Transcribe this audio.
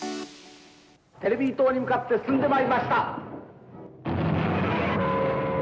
テレビ塔に向かって進んでまいりました。